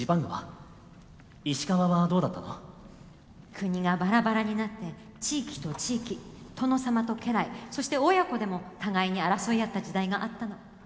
国がバラバラになって地域と地域殿様と家来そして親子でも互いに争い合った時代があったの。